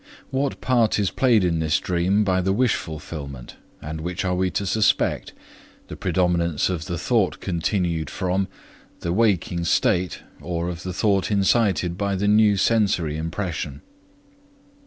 What part is played in this dream by the wish fulfillment, and which are we to suspect the predominance of the thought continued from, the waking state or of the thought incited by the new sensory impression?